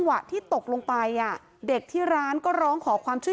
พ่อแม่มาเห็นสภาพศพของลูกร้องไห้กันครับขาดใจ